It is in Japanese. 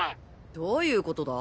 どういうことだ？